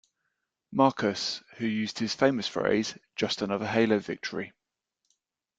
Markas, who used his famous phrase Just another Halo victory!